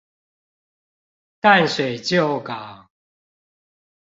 淡水舊港